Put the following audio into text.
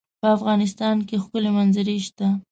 په افغانستان کې ښکلي منظرې شته.